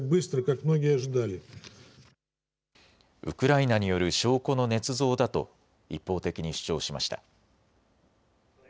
ウクライナによる証拠のねつ造だと一方的に主張しました。